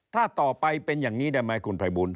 ถ้าต่อไปเป็นอย่างนี้ได้ไหมคุณภัยบูล